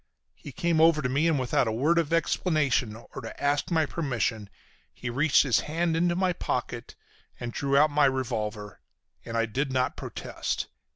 He came over to me, and without a word of explanation or to ask my permission he reached his hand into my pocket and drew out my revolver, and I did not protest.